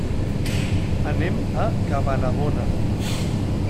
Anem a Cabanabona.